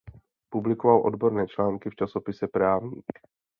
Publikoval odborné články v časopise "Právník".